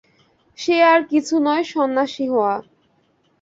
সে আর কিছু নয়, সন্ন্যাসী হওয়া।